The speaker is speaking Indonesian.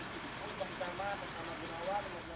sebelumnya tim sargabungan yang terdiri dari basarnas ini di lukmana